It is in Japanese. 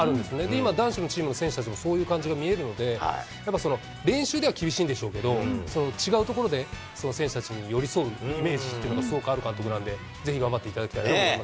今、男子のチームの選手たちも、そういう感じに見えるので、やっぱり練習では厳しいんでしょうけど、違うところで選手たちに寄り添うイメージがすごくある監督なので、ぜひ頑張っていただきたいなと思います。